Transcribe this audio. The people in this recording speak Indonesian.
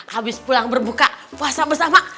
habis pulang berbuka puasa bersama